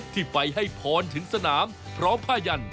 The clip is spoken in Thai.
ที่ไปให้พรถึงสนามพร้อมผ้ายัน